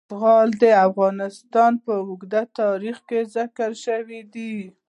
زغال د افغانستان په اوږده تاریخ کې ذکر شوی دی.